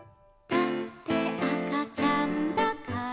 「だってあかちゃんだから」